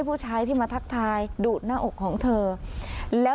คุณคุณค่ะ